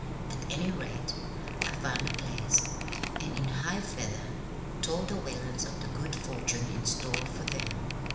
At any rate, I found the place, and in high feather told the Whalens of the good fortune in store for them.